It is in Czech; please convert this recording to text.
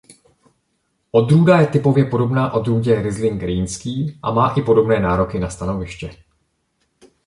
Odrůda je typově podobná odrůdě "Ryzlink rýnský" a má i podobné nároky na stanoviště.